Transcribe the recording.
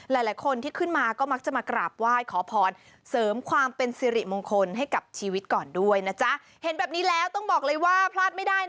หลายคนที่ขึ้นมาก็มักจะมากราบไหว้ขอพร